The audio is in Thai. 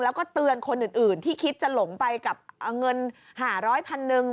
แล้วก็เตือนคนอื่นที่คิดจะหลงไปกับเงิน๕๐๐พันหนึ่ง